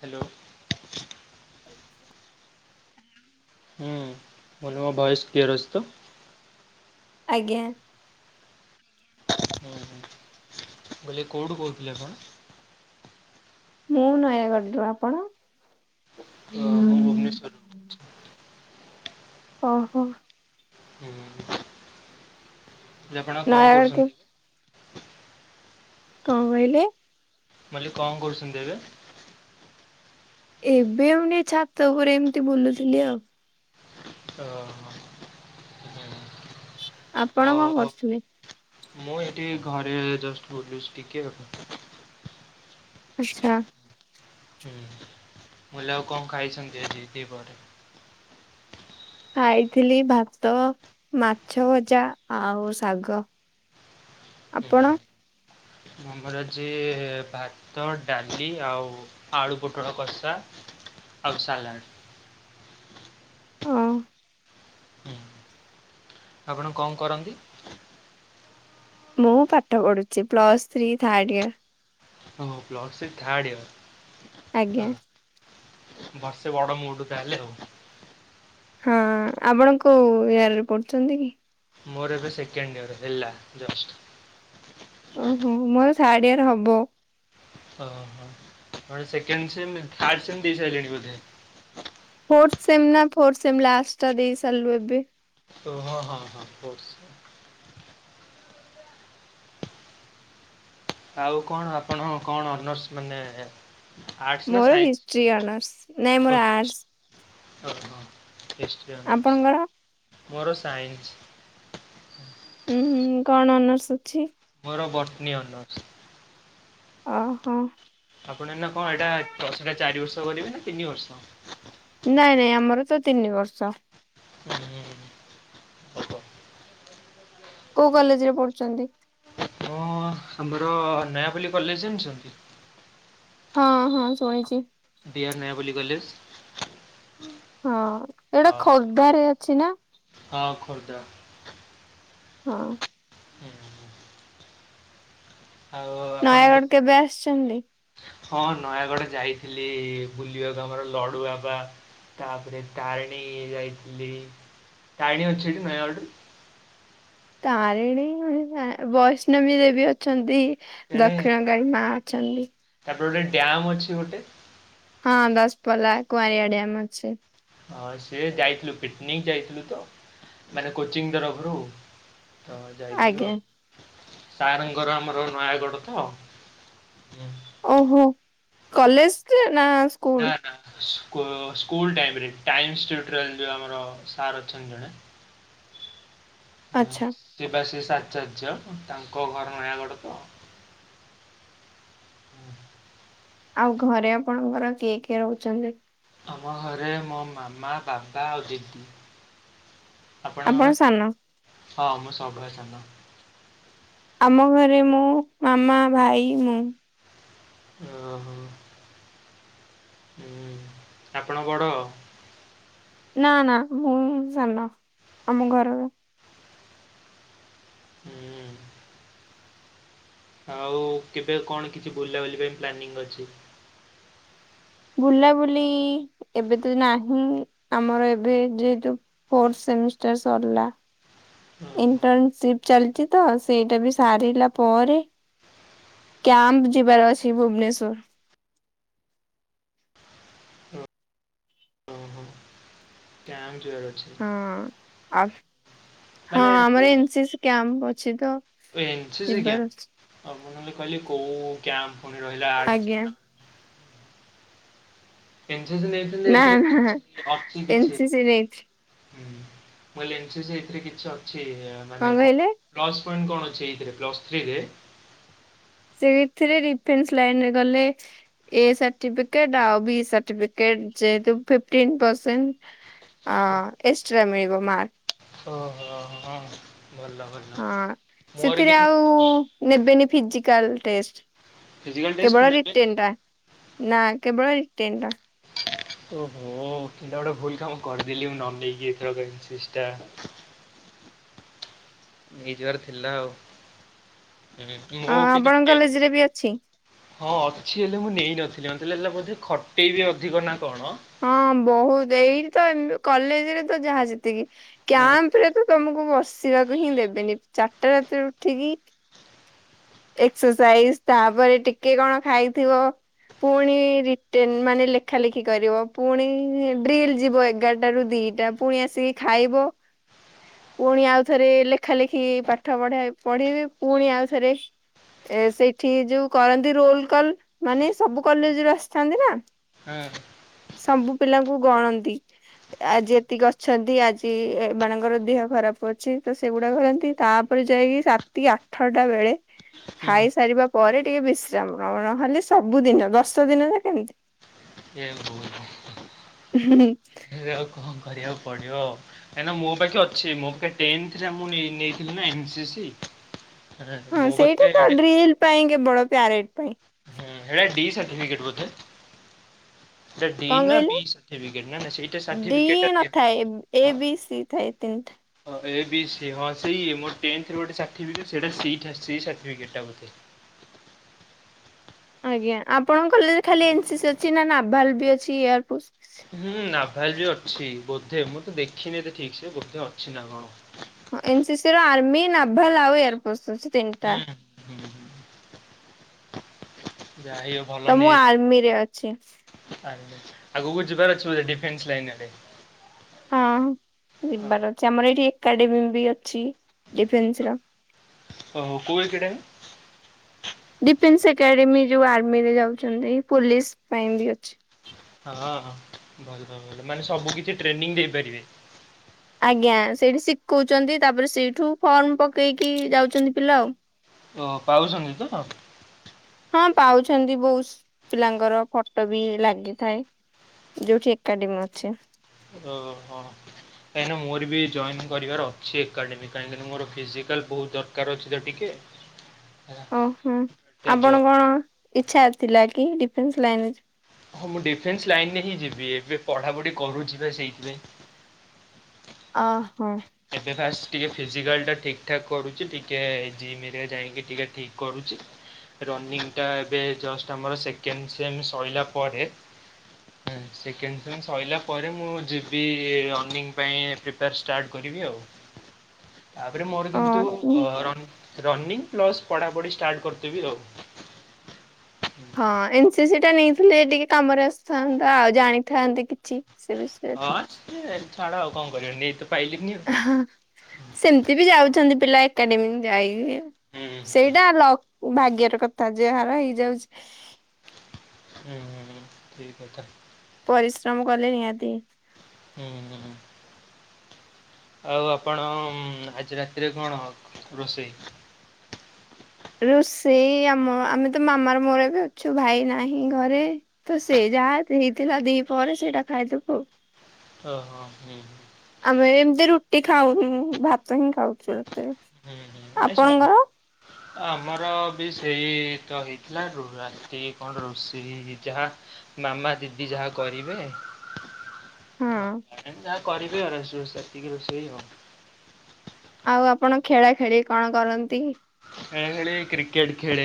Hello. ଅଫ୍ସି [inaudible] ହୁଁ ଏବ ମୋ ଭଏସ୍ କ୍ଲିୟର ଅଛି ତ? ଆଜ୍ଞା। ହ ହୋ [inaudible] ହେଲେ କଉଠୁ କହୁଥିଲେ ଆପଣ? ମୁଁ ନୟାଗଡ଼ରୁ ଆପଣ? ହଁ ମୁଁ ଭୁବନେଶ୍ୱରରୁ। ଓହୋ। ହୁଁ [inaudible] ଏବେ ଆପଣ କଣ ନୟାଗଡ଼ କୁ କରୁଛନ୍ତି? କଣ କହିଲେ? ମୁଁ କହିଲି କଣ କରୁଛନ୍ତି ଏବେ? ଏବେ ମାନେ ଛାତ ଉପରେ ଏମିତି ବୁଲୁଥିଲି ଆଉ। ଓହଁ। ଆପଣ କଣ ଆଉ କରୁଥିଲେ? ମୁଁ ଏଠି ଘରେ ଜଷ୍ଟ ବୁୁଲୁଚି ଟିକେ। ଆଛା। ହୁଁ ହେଲେ ଆଉ କଣ ଖାଇଛନ୍ତି ଆଜି ଦି ପହରେ? ଖାଇଥିଲି ଭାତ ମାଛ ଭଜା ଆଉ ଶାଗ। ହୁଁ ଆପଣ? ଆମର ଆଜି ଭାତ ଡାଲି ଆଉ ଆଳୁ ପୋଟଳ କସା ଆଉ ସାଲାଡ୍। ହ [inaudible] ହୁଁ ଆପଣ କଣ କରନ୍ତି? ମୁଁ ପାଠ ପଡ଼ୁଚି ପ୍ଲସ୍ ଥ୍ରୀ ଥାର୍ଡ ଇୟର। ହଁ ପ୍ଲସ୍ ଥ୍ରି ଥାର୍ଡ ଇୟର। ଆଜ୍ଞା। ବର୍ଷେ ବଡ଼ ମୋଠୁ ତା ହେଲେ ଆଉ। ହଁ ଆପଣ କଉ ଇୟରରେ ପଢ଼ୁଛନ୍ତି କି? ମୋର ଏବେ ସେକେଣ୍ଡ ୟେର୍ ହେଲା ଜଷ୍ଟ। ଓହୋ ମୋର ଥାର୍ଡ ୟର ହବ। ଓହୋ ସେକଣ୍ଡ ସେମ୍ ଥିର୍ଡ ସେମ୍ ଦେଇ ସାରିଲେଣି ବୋଧେ। ଫୋର୍ଥ ସେମ୍ ଫୋର୍ଥ ସେମ୍ ଲାଷ୍ଟା ଦେଇ ସାରିଲୁ ଏବେ। ଓ ହଁ ହଁ ହଁ ଫସ [inaudible] ଆଉ କଣ ଆପଣ କଣ ଅନର୍ସ ମାନେ ଆର୍ଟ୍ସ ନା ମୋର ହିଷ୍ଟ୍ରି ଅନର୍ସ ନାଇଁ ସାଇନ୍ସ ମୋର ଆର୍ଟସ ଓହୋ ହିଷ୍ଟରୀ ଆପଣଙ୍କର? ଅନର୍ସ ମୋର ସାଇନ୍ସ। ଉଁ କଣ ଅନର୍ସ ଅଛି? ମୋର ବଟନୀ ଅନର୍ସ ଓହୋ। ଆପଣ ଏଗନା କଁ ଏଇଟା ପ୍ଲସ ଥ୍ରିଟା ଚାରି ବର୍ଷ କରିବେ ନା ତିନି ବର୍ଷ? ନାଇଁ ନାଇଁ ଆମର ତ ତିନି ବର୍ଷ। ହୁଁ ସତ। କୋଉ କଲେଜରେ ପଢୁଚନ୍ତି? ମୁଁ ଆମର ନୟାପଲ୍ଲୀ କଲେଜ ଜଣିିଛନ୍ତି? ହଁ ହଁ ଶୁଣିଚି। ବିହାର୍ ନୟାପଲ୍ଲୀ କଲେଜ। ହଁ ଏଇଟା ହଁ ଖୋର୍ଦ୍ଧାରେ ଅଛି ନା? ହଁ ଖୋର୍ଦ୍ଧା। ହଁ। ହୁଁ, ହୁଁ। ଆଉ ଆପଣଙ୍କୁ ନୟାଗଡ଼ କେବେ ଆସିଛନ୍ତି? ହଁ ନୟାଗଡ଼ ଯାଇଥିଲି ବୁଲିବାକୁ ଆମର ଲଡୁବାବା ତାପରେ ତାରିଣୀ ଇଏ ଯାଇଥିଲି ତାରିଣୀ ଅଛି କି ନୟାଗଡରେ? ତାରିଣୀ ନା ବୈଷ୍ଣବୀ ଦେବୀ ଅଛନ୍ତି ତେଣେ ଦକ୍ଷିଣରେ। ତାରିଣୀ ମା ଅଛନ୍ତି। ତାପରେ ଗୋଟେ ଡ୍ୟମ୍ ଅଛି ଗୋଟେ? ହଁ ଦଶପଲଲା କୁଆଁରିଆ ଡ୍ୟାମ ଅଛି। ହଁ ସିଏ ଯାଇଥିଲୁ ପିକନିକ୍ ଯାଇଥିଲୁ ତ ମାନେ କୋଚିଂ ଙ୍ଗି ତରଫରୁ। ତ ଯାଇଥିଲୁ ଆଜ୍ଞା ଆଉ। ସାରଙ୍କ ଘର ଆମର ନୟାଗଡ଼ ତ। ଓହୋ କଲେଜେରେ ନା? ସ୍କୁଲ ନା ନା ସ୍କୁଲ ଟାଇମରେ ଟାଇମିଷ୍ଟିଉଟୁର ଏମିତି ଆମର ସାର୍ ଅଛନ୍ତି ଜଣେ। ଆଚ୍ଛା ଦେବାଶିଶି ଆଚ଼ାର୍ଯ୍ୟ ତାଙ୍କ ଘର ନୟାଗଡ଼ତ। ଆଉ ଘରେ ଆପଣଙ୍କର କିଏ କିଏ ରହୁଛନ୍ତି? ଆମ ଘରେ ମୋ ମାମା ବାବା ଆଉ ଦିଦି। ଆପଣଙ୍କ ଆପଣ ପରେ? ସାନ ହଁ ମୁଁ ସବା ସାନ। ଆମ ଘରେ ମୁଁ ମାମା ଭାଇ ମୁଁ। ଉଁ ହୁଁ। ହୁଁ ଆପଣ ବଡ଼? ନା ନା ମୁଁ ସାନ ଆମ ଘରର। ହୁ। ଆଉ କେବେ କଣ କିଛି ବୁଲାବୁଲି ପାଇଁ ପ୍ଲାନିଂଙ୍ଗି ଅଛି? ବୁଲାବୁଲି ଏବେ ତ ନାହିଁ ଆମର ଏବେ ଯେହେତୁ ଫୋର୍ଥ ସେମିଷ୍ଟାର ସରିଲା ଓହୋ ଇଣ୍ଟନସିପି। ଚାଲିଛି ତ ସେଇଟା ବି ସାରିଲା ପରେ କ୍ୟାମ୍ପ ଯିବାର ଅଛି ଭୁବନେଶ୍ଵର। ଓହୋ କ୍ୟାମ୍ପ ଯିବାର ଅଛି? ହଁ ଆ ହଁ ମାନେ ଆମର ଏନେସି ସି କ୍ୟାମ୍ପ ଅଛି ତ। ଏ ନେସିସି ଯିବାର ଅଛି କ୍ୟାମ୍ପ ମୁଁ କହିଲି କହିଲି କୋଉକ୍ୟାମ୍ପ ରହିଲା ଆଡସ୍ ଆଜ୍ଞା ପିଲାଙ୍କର। ଏନେସିସି ନେଇଛନ୍ତି ନା ନା ଏଥିରେ ଅଛି ଏନ କିଛି,? ସି ସି ନେଇଛି ହୁଁ ମୁ ଏନେସିସି ଏଥିରେ କିଛି ଅଛି ମାନେ କଣ? ପ୍ଲସ୍ ପଏଣ୍ଟେ କଣ ଅଛି ଏଇଥିରେ ପ୍ଲସ୍ ଥ୍ରୀରେ? ସେଇଥିରେ ରିଫେନ୍ସ ଲାଇନରେ ଗଲେ। ଏ ସାର୍ଟିପିକେଟ ଆଉ ବି ସାର୍ଟିପିକେଟ ଯେହେତୁ ଫିଣ୍ଟିନ୍ ପରସେଣ୍ଟ୍। ଆ ଏକ୍ସଟ୍ରା ମିଳିବ ମାର୍। ଓହୋ ହଁ ଭଲ ଭ ହଁ ସେଥିରେ ଆଉ ନେବେନି ଫିଜିକାଲ ଟେଷ୍ଟ। ଫିଜିକାଲ ଟେଷ୍ଟ କେବଳ ନେବେନି। ରିଟିନି ଟା ନା କେବଳ ରିଟିନି ଟା। ଓ ହୋ ଏଇଟା ଗୋଟେ ଭୁଲ କାମ କରିଦେଲିି ନ ନେଇକି ଏଥରକ [inaudible] ଟା। ନେଇ ଯିବାର ଥିଲା ଆଉ ହୁଁ ମୁଁ ବି ଆପଣଙ୍କ ଟେ। କଲେଜରେ ବି ଅଛି? ହଁ ଅଛି ହେଲେ ମୁଁ ନେଇନଥିଲି ମତେ ଲାଗିଲା ବୋଧେ ଖଟେଇବେ ଅଧିକ ନା କଣ। ହଁ ବହୁତ ଏଇଠି ତ ଏ କଲେଜ ରେ ତ ଯାହା ଯେତିକି ହୁଁ। କ୍ୟାମ୍ପ ରେ ତ। ତମକୁ ବସିବାକୁ ହିଁ ଦେବେନି ଚାରଟା ରାତିରେ ଉଠିକି। ଏକ୍ସସାଇଜ ତାପରେ ଟିକେ କଣ ଖାଇଥିବ। ପୁଣି ରିଟେନ ମାନେ ଲେଖା ଲେଖି କରିବ ପୁଣି ଡ୍ରିଲ ଯିବ ଏଗାରଟ ରୁ ଦି ଟା। ପୁଣି ଆସିକି ଖାଇବ। [unintelligible] ପୁଣି ଆଉଥରେ ଲେଖା ଲେଖି ପାଠ ପଢା ପଢିବେ ପୁଣି ଆଉଥରେ। ଏ ସେଇଠି ଯୋଉ କରନ୍ତି ରୁଲ କଲ ମାନେ ସବୁ କଲେଜ ରୁ ଆସିଥାନ୍ତି ନା। ହଁ। ସବୁ ପିଲାଙ୍କୁ ଗଣନ୍ତି। ଆଜି ଏତିକି ଅଛନ୍ତି ଆଜି ଏମାନାନଙ୍କର ଦେହ ଖରାପ ଅଛି ତ ସେଗୁଡା କରନ୍ତି ତା। [inaudible] ଯାଇକି ରାତି ଆଠଟା ବେଳେ। ହୁଁ ଖାଇସାରିବା ପରେ ଟିକେ ବିଶ୍ରାମ ନ ନହେଲେ ସବୁଦିନ ଦଶ ଦିନ ଯେ କେମିତି। ଏ ବୋଉ ଲୋ। ହୁଁ। କଣ କରିବାକୁ ପଡ଼ିବ। କାଁଇନା ମୋ ପାଖେ ଅଛି ମୋ ପକେ ମୁଁ ଟିମି ନେଇଥିଲି ନା ଏମ ସି ସି। ହଁ ମୋ ପାଖେ ସେଇଟା ତ ଏଇଟା ଡ୍ରିଲ ପାଇଁ କେ ବଡ ପ୍ୟାରେଟ ପାଇଁ। ହୁଁ ହେରା ଡି ସର୍ଟିଫିକେଟ ବୋଧେ। ସେ ଡି କଣ ନା କହିଲେ? ବି ସାଟିଫିକେଟ ନା ନା ସେଇଟା ସାଟିଫିକେଟ ଏ ଦ। ହେଇ ତିନିଟା। ହଁ ଏ ବି ସି ହଁ ସେଇ ମୋ ଟମିସ୍ ରୁ ଗୋଟେ ସାଟିଫିକେଟ ସେଡା ସି ସାଟ ସି ସାଟିଫିକେଟ ବୋଧେ। ଆଜ୍ଞା ଆପଣଙ୍କ କଲେଜରେ ଖାଲି ଏମ ସି ସି ଅଛି ନା ନାଭାଲ ବି ଅଛି ଏୟାର ପ୍ରୋସ। ହୁଁ ନାଭାଲ ବି ଅଛି ବୋଧେ ମୁଁ ତ ଦେଖିନି ଏତେ ଠିକ୍ ସେ ବୋଧେ ଅଛି ନା କଣ। ଏନ୍ ସି ସି ର ଆର୍ମି ନାଭାଲା ଆଉ ଏୟାର ଫୋର୍ସ ଅଛି। ହୁଁ ତିନିଟା ହୁଁ ହୁଁ ହୁଁ। ଯାଇ ଅ ତ ମୁଁ ଆର୍ମି ରେ ଅଛି। ଆର୍ମି ଆଗୁକୁ ଯିବାର ଅଛି ବୋଧେ ଡିଫେନ୍ସ ଲାଇନ ଆଡେ। ହଁ ଯିବାର ଅଛି ଆମର ଏଇଠି ଏକାଡେମୀ ବି ଅଛି ଡିଫେନ୍ସର। ହୋ କୋଉ ଏଫି ଡେ। ଡିଫେନ୍ସ ଏକାଡେମୀ ଯୋଉ ଆର୍ମିରେ ଯାଉଚନ୍ତି ପୋଲିସ ପାଇଁ ବି ଅଛି। ହଁ ହଁ ଭଲ ଭଲ ମାନେ ସବୁ କିଛି ଟ୍ରେନିଂ ଦେଇପାରିବେ। ଆଜ୍ଞା ସେଇଠି ଶିଖଉଚନ୍ତି ତାପରେ ସେଇଠୁ ଫର୍ମ ପକେଇକି ଯାଉଚନ୍ତି ପିଲା ଆଉ। ଓ ପାଉଛନ୍ତି ତ। ହଁ ପାଉଛନ୍ତି ବହୁସୁ ପିଲାଙ୍କର ଫଟୋ ବି ଲାଗିଥାଏ। ଯୋଉଠି ଏକାଡେମୀ ଅଛି। ଓହଁ। କାହିଁକିନା ମୋର ବି ଜଏନ୍ କରିବାର ଅଛି ଏକାଡେମି କାହିଁକି ମୋର ଫିଜିକାଲ ବହୁତ ଦରକାର ଅଛି ତ ଟିକେ। [inaudible] ଓହୁଁ ତ ଆପଣ ଜଏନ୍ କଣ ଇଛା ଥିଲା କି ଡିଫେନ୍ସ ଲାଇନରେ ଜି ହଁ ମୁଁ ଡିଫେନ୍ସ ଲାଇନରେ ହିଁ ଯିବି ଏବେ ପଢ଼ାପଢ଼ି କରୁଛି ବା ସେଇଥିପାଇଁ। ଅ ହୋ। ଏବେ ଫାଷ୍ଟ ଟିକେ ଫିଜିକାଲ ଟା ଠିକ୍ ଠାକ୍ କରୁଛି ଟିକେ ଜିମ ରେ ଯାଇକି ଟିକେ ଠିକ୍ କରୁଛି। ରନିଂ ଟା ଏବେ ଜଷ୍ଟ ଆମର ସେକେଣ୍ଡ ସିଏମ୍ ସରିଲା ପରେ। ହୁଁ ସେକେଣ୍ଡ ସେମ୍ ସରିଲା ପରେ ମୁଁ ଯିବି ରନିଂ ପାଇଁ ପ୍ରୀପ୍ୟାର୍ ଷ୍ଟାର୍ଟ କରିବି ଆଉ ତାପରେ ମୋର ଓ କିନ୍ତୁ ଅ ରନ୍ ରନିଂ ପ୍ଲସ୍ ପଢ଼ାପଢ଼ି ଷ୍ଟାର୍ଟ କରିଦେବି ଆଉ। ହଁ ଏନ୍ ସି ସି ଟା ନେଇଥିଲେ ଟିକେ କାମରେ ଆସିଥାନ୍ତା ଆଉ ଜାଣିଥାନ୍ତେ କିଛି। ସେ ବିଷୟରେ ହଁ ସିଏ ଛାଡ ଆଉ କଣ କରିବା ଆଉ ନେଇତ ପାଇଲିନିଆଉ। ହଁ ସେମିତି ବି ଯାଉଛନ୍ତି ପିଲା ଏକାଡେମୀ ଯାଇକି ହୁଁ ସେଇଟା ଲକ୍ ଭାଗ୍ୟର କଥା ଯହାର ହେଇଯାଉଛି। ହୁଁ ଠିକ୍ କଥା। ପରିଶ୍ରମ କଲେ ନିହାତି। ହୁଁ ହୁଁ। ଆଉ ଆପଣ ଉଁ ଆଜି ରାତିରେ କଣ ହ ରୋଷେଇ? ରୋଷେଇ ଆମ ଆମେ ତ ମାମାର ମୋର ଏବେ ଅଛୁ ଭାଇ ନାହିଁ ଘରେ। ତ ସେ ଯାହା ହେଇଥିଲା ଦି ପହରେ ସେଇଟା ଖାଇଦବୁ ଆଉ। ଓହୋ ହୁଁଁ। ଆମେ ଏମତି ରୁଟି ଖାଉନୁ ଭାତ ହିଁ ଖାଉଛୁ ରାତି ରେ ହୁଁ ହୁଁ ହୁଁ ଏ ସେଟା ଆପଣଙ୍କର? ଭଲ ଆମର ବି ସେଇ ତ ହେଇଥିଲା ର ରାତି କି କଣ ଗୋଟେ ରୋଷେଇ ହେଇଛି ଯାହା। ମାମା ଦିଦି ଯାହା କରିବେ। ହଁ ହ ଯାହା କରିବେ ଆଉ ରୋଷେଇ ଫୋଷେଇ ଏତିକି ରୋଷେଇ ଆଉ। ଆଉ ଆପଣ ଖେଳା ଖେଳି କଣ କରନ୍ତି? ଖେଳା ଖେଳି କ୍ରିକେଟ ଖେଳେ।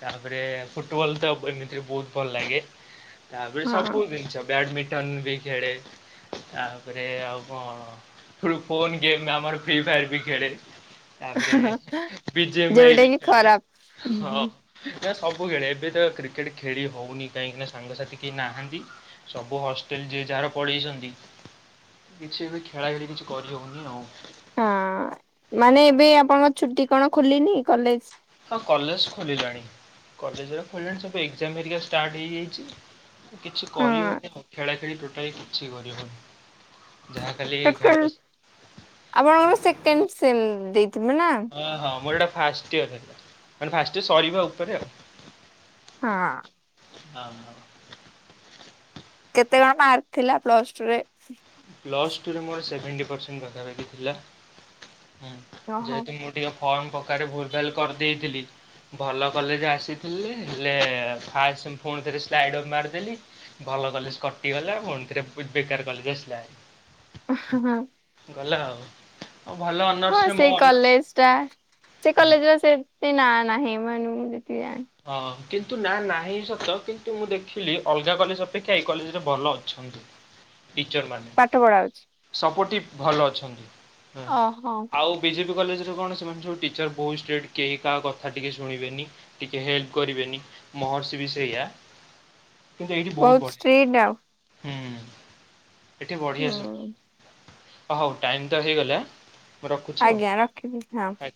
ତାପରେ ଫୁଟବଲ୍ ତ ଏମିତିରେ ବହୁତ ଭଲ ଲାଗେ। ତାପରେ ହଁ ସବୁ ଜିନିଷ ବ୍ୟାଡମିଣ୍ଟନ ବି ଖେଳେ। ତାପରେ ଆଉ କଣ ଫ୍ରୋ ଫୋନ୍ ଗେମ୍ ଆମର ଫ୍ରୀ ଫାୟାର ବି ଖେଳେ। ହଁ। ବିିଜେ ଏମ୍ ଆଇ ବି ଖେଳେ ହଁ। ନା ସବୁ ଖେଳେ ଏବେ ତ କ୍ରିକେଟ ଖେଳି ହଉନି କାହିଁକିନା ସାଙ୍ଗସାଥି କେହି ନାହାନ୍ତି। ସବୁ ହଷ୍ଟେଲ ଯିଏ ଯାହାର ପଳେଇଛନ୍ତି। କିଛି ଏବେ ଖେଳା ଖେଳି କିଛି କରିହଉନି ଆଉ। ହଁ ମାନେ ଏବେ ଆପଣଙ୍କ ଛୁଟି କଣ ଖୋଲିନି କଲେଜ? ହଁ କଲେଜ ଖୋଲିଲାଣି କଲେଜରେ ଖୋଲିଲାଣି ସବୁ ଏକ୍ଜାମ ହେରିକା ଷ୍ଟାର୍ଟ ହେଇଯାଇଛି। କିଛି ହଁ କରିହଉନି ଆଉ ଖେଳା ଖେଳି ଟୋଟାଲି କିଛି କରିହଉନି। ଯାହା ଖାଲି ଘରେ ସେକେଣ୍ଡ ବସ୍ ଆପଣଙ୍କର ସେକେଣ୍ଡ ସେମ୍ ଦେଇଥିବେ ନା? ହଁ ହଁ ମୋର ଏଇଟା ଫାଷ୍ଟ ଇୟର୍ ହେଲା ମାନେ ଫାଷ୍ଟ ଇ ସରିବା ଉପରେ ଆଉ। ହଁ। ହଁ ହଁ। କେତେ କଣ ମାର୍କ ଥିଲା ପ୍ଲସଟୁରେ? ପ୍ଲସ୍ଟୁରେ ମୋର ସେଭେଣ୍ଟି ପରସେଣ୍ଟ ପାଖାପାଖି ଥିଲା, ହୁଁ ଓହୋ। ଯେହେତୁ ମୁଁ ଟିକେ ଫର୍ମ ପକାରେ ଭୁଲ୍ ଭାଲ୍ କରିଦେଇଥିଲି। ଭଲ କଲେଜ ଆସିଥିଲି ହେଲେ ଫାଷ୍ଟ ସେମ୍ ଫୁଣି ଥରେ ସ୍ଲାଇଡ଼ର ମାରିଦେଲି। ଭଲ କଲେଜ କଟିଗଲା ପୁଣିଥରେ ବେକାର କଲେଜ ଆସିଲା। [unintelligible] ଗଲା ଆଉ। ହଉ ଭଲ ଅନ ହଁ ସେଇ କଲେଜଟା ସେ ହୁଁ। କଲେଜର ସେନ୍ତି ନାଁ ନାହିଁ ମାନେ ମୁଁ ଯେତିକି ଜାଣିଚି। ହଁ କିନ୍ତୁ ନା ନାହିଁ ସତ କିନ୍ତୁ ମୁଁ ଦେଖିଲି ଅଲଗା କଲେଜ ଅପେକ୍ଷା ଏ କଲେଜରେ ଭଲ ଅଛନ୍ତି। ଟିଚର ମାନେ। ପାଠ ପଢ଼ାହଉଛି। ସପୋର୍ଟିଭ ଭଲ ଅଛନ୍ତି ହୁଁ, ଓହୋ। ଆଉ ବିଜେପି କଲେଜରେ କଣ ସେମାନେ ସବୁ ଟିଚର୍ ବହୁତ ଷ୍ଟ୍ରିଟ କେହି କାହା କଥା ଟିକିଏ ଶୁଣିବେନି। ଟିକେ ହେଲ୍ପ କରିବେନି ମହର୍ଷି ବି ସେଇଆ। କିନ୍ତୁ ଏଇଠି ବହୁତ ବଢିଆ ଷ୍ଟ୍ରିଟ୍ ଆଉ ହେଇଛି, ହୁଁ। ଏଠି ବଢ଼ିଆ ସବୁ, ହୁଁ ହଉ ଟାଇମ୍ ତ ହେଇଗଲା ମୁଁ ରଖୁଛି ଆଜ୍ଞା ରଖିଲି ହଁ। ଆଉ।